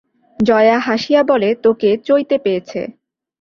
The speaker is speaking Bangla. জয়া হাসিয়া বলে, তোকে চৈতে পেয়েছে।